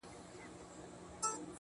باداره ستا رټلی مخلوق موږه رټي اوس_